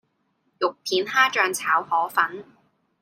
肉片蝦醬炒河粉